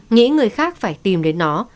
nghĩ người khác phải tìm đến nó